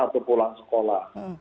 atau pulang sekolah